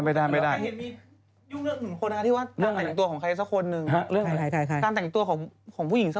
เรื่องของใคร